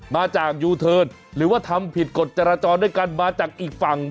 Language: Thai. มาจากยูเทิร์นหรือว่าทำผิดกฎจราจรด้วยกันมาจากอีกฝั่ง